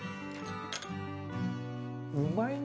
うまいね。